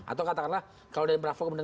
atau katakanlah kalau dari bravo kemudian